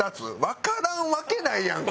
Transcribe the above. わからんわけないやん！